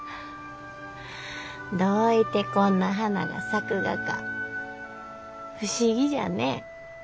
どういてこんな花が咲くがか不思議じゃね。